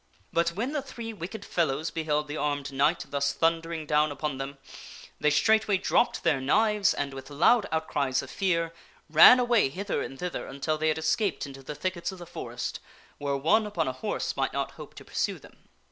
But when the three wicked fellows beheld the armed Knight thus thun 5 o THE WINNING OF A SWORD dering down upon them, they straightway dropped their knives and, with loud outcries of fear, ran away hither and thither until they had escaped into the thickets of the forest, where one upon a horse might not hope to piursue them.